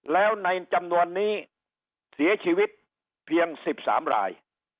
แล้วในจำนวนนี้เสียชีวิตเพียง๑๓ราย